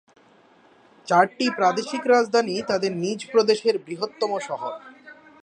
চারটি প্রাদেশিক রাজধানী তাদের নিজ প্রদেশের বৃহত্তম শহর।